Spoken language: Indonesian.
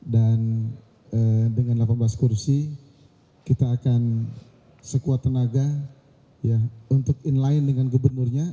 dan dengan delapan belas kursi kita akan sekuat tenaga untuk inline dengan gubernurnya